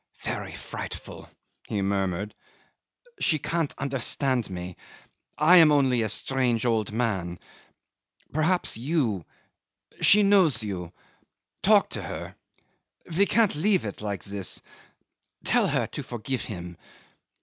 "Very frightful," he murmured. "She can't understand me. I am only a strange old man. Perhaps you ... she knows you. Talk to her. We can't leave it like this. Tell her to forgive him.